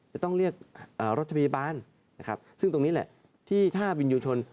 เราเรียบรัฐพยาบาลซึ่งตรงนี้แหละที่ถ้าบิญญูบชน